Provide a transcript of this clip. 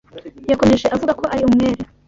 Yakomeje avuga ko ari umwere.